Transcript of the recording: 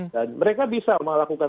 dan mereka bisa melakukan